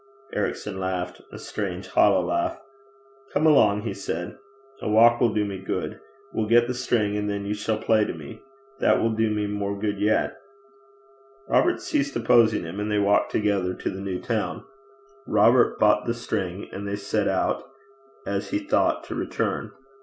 Ericson laughed a strange, hollow laugh. 'Come along,' he said. 'A walk will do me good. We'll get the string, and then you shall play to me. That will do me more good yet.' Robert ceased opposing him, and they walked together to the new town. Robert bought the string, and they set out, as he thought, to return.